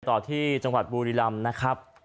ต่อที่จังหวัดบุรีรำนะครับ